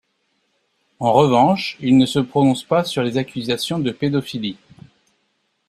En revanche, ils ne se prononcent pas sur les accusations de pédophilie.